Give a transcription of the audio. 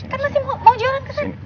kan lo sih mau jalan kesini